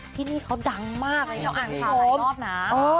ที่นี่เขาดังมากเลยเราอ่านข่าวหลายรอบนะ